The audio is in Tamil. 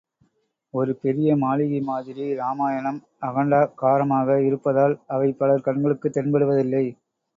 ஒரு பெரிய மாளிகை மாதிரி ராமாயணம் அகண்டாகாரமாக இருப்பதால், அவை பலர் கண்களுக்குத் தென்படுவதில்லை.